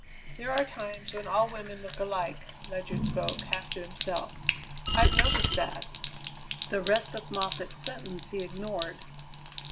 "There are times when all women look alike," Ledyard spoke half to himself; "I've noticed that." The rest of Moffatt's sentence he ignored.